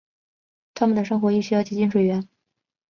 它们的生活亦需要接近水源。